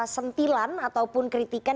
sentilan ataupun kritikan